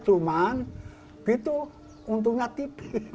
cuman gitu untungnya tipis